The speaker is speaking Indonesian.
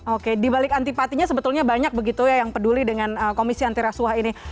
oke dibalik antipatinya sebetulnya banyak begitu ya yang peduli dengan komisi antirasuah ini